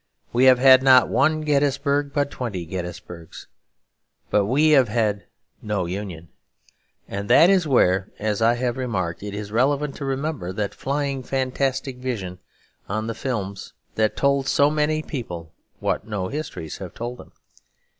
We have had not one Gettysburg, but twenty Gettysburgs; but we have had no Union. And that is where, as I have remarked, it is relevant to remember that flying fantastic vision on the films that told so many people what no histories have told them.